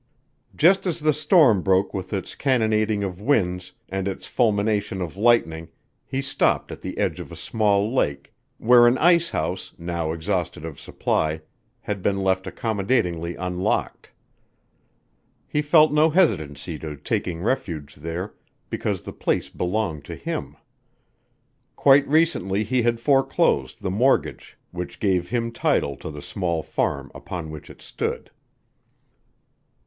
Just as the storm broke with its cannonading of winds and its fulmination of lightning he stopped at the edge of a small lake where an ice house, now exhausted of supply, had been left accommodatingly unlocked. He felt no hesitancy to taking refuge there because the place belonged to him. Quite recently he had foreclosed, the mortgage which gave him title to the small farm upon which it stood.